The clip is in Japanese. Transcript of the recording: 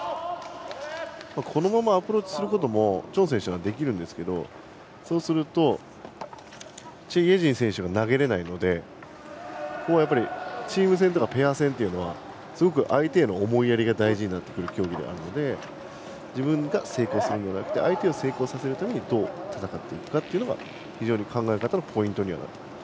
このままアプローチすることもチョン選手はできるんですけどそうするとチェ・イェジン選手が投げれないのでチーム戦とかペア戦はすごく相手への思いやりが大事になってくる競技なので自分が成功するのではなくて相手を成功させるためにはどう戦っていくかが非常に考え方のポイントです。